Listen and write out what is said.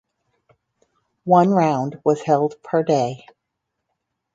One round was held per day.